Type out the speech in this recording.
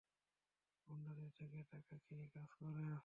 গুন্ডাদের থেকে টাকা খেয়ে কাজ করে।